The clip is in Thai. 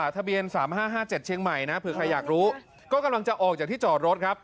ทะเบียน๓๕๕๗เชียงใหม่นะเผื่อใครอยากรู้ก็กำลังจะออกจากที่จอดรถครับ